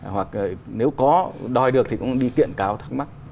hoặc nếu có đòi được thì cũng đi kiện cáo thắc mắc